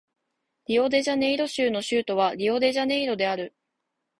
リオデジャネイロ州の州都はリオデジャネイロである